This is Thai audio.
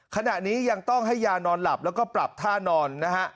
ขณะนี้ยังต้องให้ยานอนหลับแล้วก็ปรับท่านอนนะฮะ